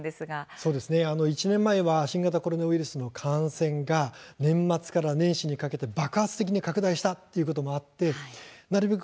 そうですね１年前は新型コロナウイルスの感染が年末から年始にかけて爆発的に拡大したということもあってなるべく